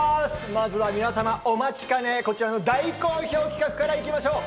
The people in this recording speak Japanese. まずは皆様お待ちかね、こちらの大好評企画から行きましょう。